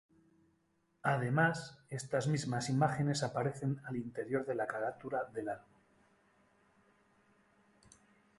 Además estas mismas imágenes aparecen al interior de la carátula del álbum.